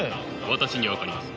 私には分かります。